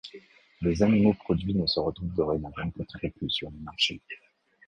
Les animaux produits ne se retrouvent dorénavant que très peu sur les marchés.